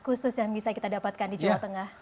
khusus yang bisa kita dapatkan di jawa tengah